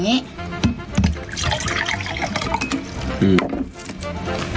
อย่างนี้